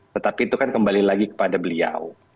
tetapi itu kan kembali lagi kepada beliau